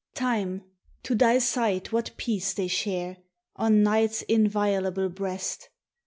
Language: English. Time, to thy sight what peace they share On Night's inviolable breast!